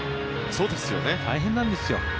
大変なんですよ。